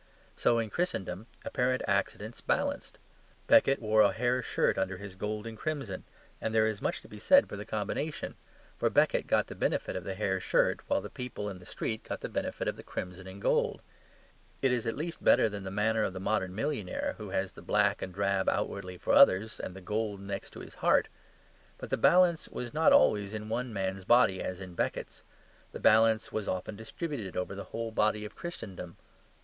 So in Christendom apparent accidents balanced. Becket wore a hair shirt under his gold and crimson, and there is much to be said for the combination; for Becket got the benefit of the hair shirt while the people in the street got the benefit of the crimson and gold. It is at least better than the manner of the modern millionaire, who has the black and the drab outwardly for others, and the gold next his heart. But the balance was not always in one man's body as in Becket's; the balance was often distributed over the whole body of Christendom.